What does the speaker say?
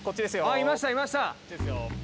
いましたいました。